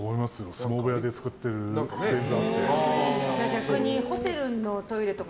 相撲部屋で使ってる便座。